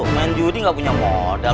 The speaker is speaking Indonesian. main judi nggak punya modal